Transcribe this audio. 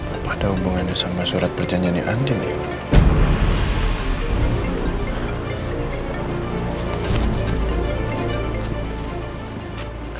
apa ada hubungannya sama surat perjanjiannya andi nih